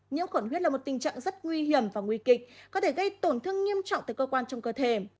nhiễm khuẩn huyết là một tình trạng rất nguy hiểm và nguy kịch có thể gây tổn thương nghiêm trọng tới cơ quan trong cơ thể